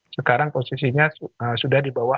sekarang posisinya sudah dibawa